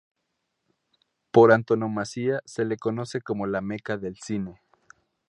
Por antonomasia se le conoce como La meca del cine.